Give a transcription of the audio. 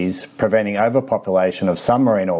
memperlindungi populasi organisme marina